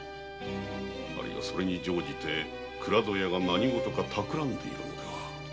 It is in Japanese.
それに乗じて倉戸屋が何事かたくらんでいるのでは。